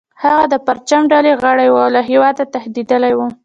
هغه د پرچم ډلې غړی و او له هیواده تښتیدلی و